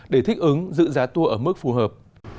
để thích ứng giữ giá tour ở mức phù hợp